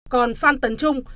còn phan tấn trung